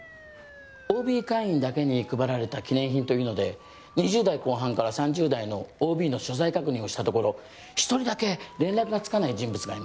ＯＢ会員だけに配られた記念品というので２０代後半から３０代のＯＢの所在確認をしたところ１人だけ連絡がつかない人物がいました。